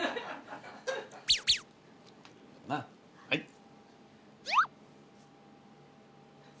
はい。